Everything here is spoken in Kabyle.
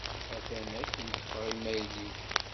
Atan akken ṭṭfeɣ imayl-im.